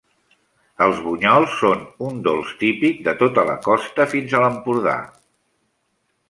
Els bunyols són un dolç típic de tota la costa, fins a l'Empordà.